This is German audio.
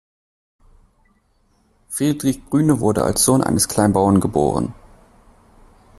Friedrich Brühne wurde als Sohn eines Kleinbauern geboren.